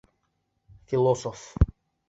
— Философ.